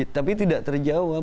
tapi tidak terjauh